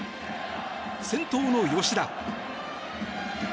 先頭の吉田。